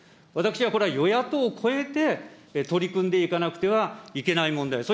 私はこれは与野党超えて取り組んでいかなくてはいけない問題。